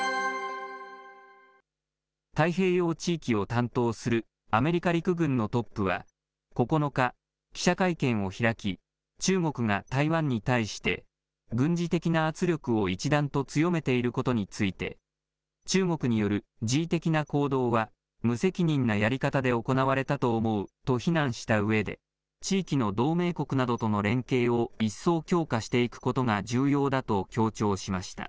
太平洋地域を担当するアメリカ陸軍のトップは９日、記者会見を開き、中国が台湾に対して、軍事的な圧力を一段と強めていることについて、中国による示威的な行動は無責任なやり方で行われたと思うと非難したうえで、地域の同盟国などとの連携を一層強化していくことが重要だと強調しました。